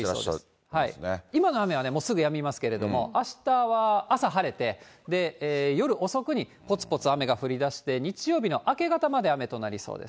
今の雨はもうすぐやみますけれども、あしたは朝晴れて、夜遅くにぽつぽつ雨が降りだして、日曜日の明け方まで雨となりそうです。